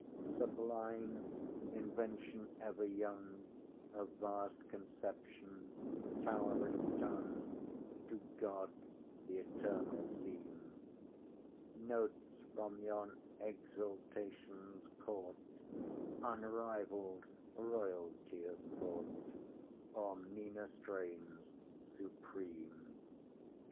Sublime—invention ever young, Of vast conception, towering tongue, To God the eternal theme; Notes from yon exaltations caught, Unrivalled royalty of thought, O'er meaner strains supreme.